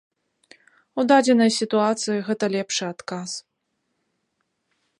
У дадзенай сітуацыі гэта лепшы адказ.